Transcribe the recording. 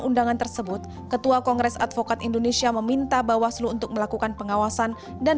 undangan tersebut ketua kongres advokat indonesia meminta bawaslu untuk melakukan pengawasan dan